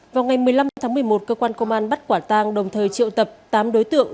vào ngày một mươi năm tháng một mươi một cơ quan công an bắt quả tang đồng thời triệu tập tám đối tượng